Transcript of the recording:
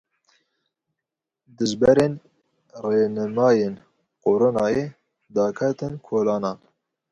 Dijberên rênimayên Koronayê daketin kolanan.